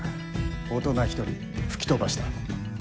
大人１人、吹き飛ばした。